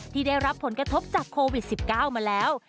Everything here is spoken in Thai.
ที่ได้รับผลกระทบจากโควิด๑๙มาแล้ว